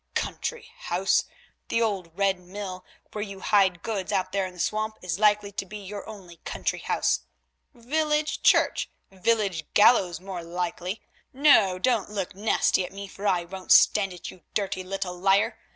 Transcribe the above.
Country house! The old Red Mill, where you hide goods out there in the swamp, is likely to be your only country house. Village church? Village gallows more likely. No, don't you look nasty at me, for I won't stand it, you dirty little liar.